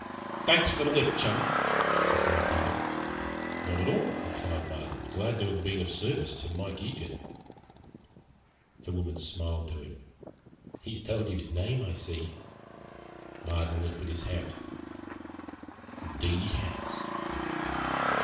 "Thanks for the lift, chum," said Mike Eagen. "Not at all," replied Marden. "Glad to have been of service to Mike Eagen." The woman smiled to him. "He's told you his name, I see." Marden lifted his hat. "Indeed he has."